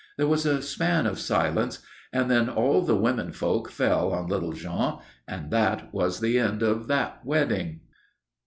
There was a span of silence and then all the women folk fell on little Jean and that was the end of that wedding.